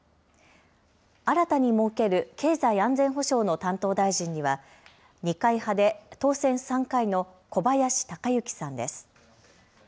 新たに設ける経済安全保障の担当大臣には、二階派で当選３回の小林鷹之さんです。